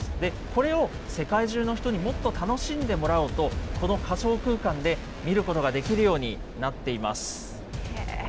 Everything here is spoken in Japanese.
これを世界中の人にもっと楽しんでもらおうと、この仮想空間で見ることができるようになっています。